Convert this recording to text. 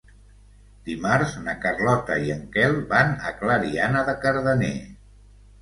Dimarts na Carlota i en Quel van a Clariana de Cardener.